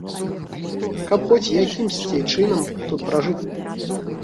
Каб хоць якімсьці чынам тут пражыць?